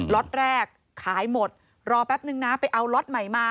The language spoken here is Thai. ล็อตแรกขายหมดรอแป๊บนึงนะไปเอาล็อตใหม่มา